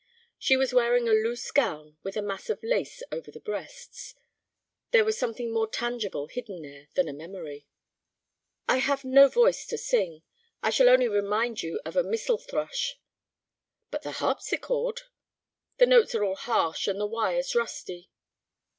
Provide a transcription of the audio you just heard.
She was wearing a loose gown with a mass of lace over the breasts. There was something more tangible hidden there than a memory. "I have no voice to sing; I shall only remind you of a missel thrush." "But the harpsichord?" "The notes are all harsh and the wires rusty."